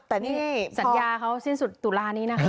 แต่นี่สัญญาเขาสิ้นสุดตุลานี้นะคะ